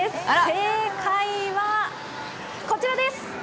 正解はこちらです。